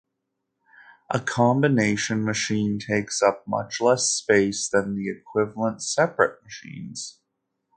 A combination machine takes up much less space than the equivalent separate machines.